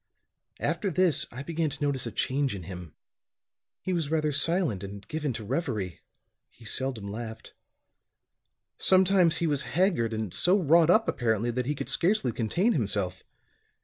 "After this I began to notice a change in him. He was rather silent and given to reverie; he seldom laughed. Sometimes he was haggard and so wrought up, apparently, that he could scarcely contain himself.